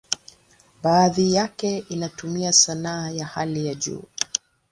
Baadhi yake inatumia sanaa ya hali ya juu.